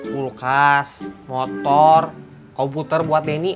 kulkas motor komputer buat denny